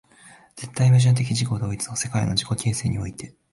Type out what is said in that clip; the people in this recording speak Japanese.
絶対矛盾的自己同一の世界の自己形成において、